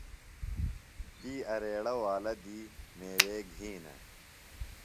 تی اریڑہ والہ دی میوے گِھینہ۔